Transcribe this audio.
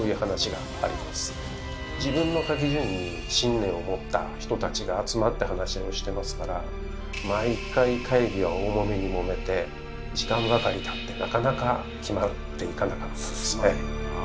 自分の書き順に信念を持った人たちが集まって話し合いをしてますから毎回会議は大もめにもめて時間ばかりたってなかなか決まっていかなかったんですね。